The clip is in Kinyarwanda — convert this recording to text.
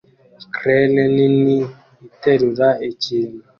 Crane nini iterura ikintu